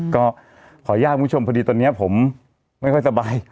ก็ขออนุญาตคุณผู้ชมพอดีตอนนี้ผมไม่ค่อยสบาย